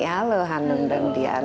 halo hanung dan dian